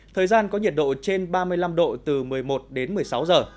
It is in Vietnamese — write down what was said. thời gian có nhiệt độ trên ba mươi năm độ từ một mươi một đến một mươi sáu giờ